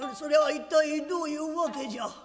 一体どういうわけじゃ？」。